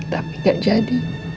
tapi gak jadi